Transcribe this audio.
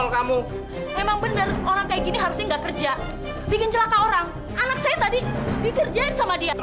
kamu lebih baik ketemu deida